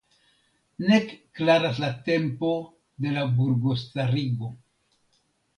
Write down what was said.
Nek klaras la tempo de la burgostarigo.